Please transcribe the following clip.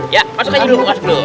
ya masuk aja dulu bu